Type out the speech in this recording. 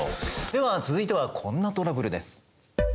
では続いてはこんなトラブルです。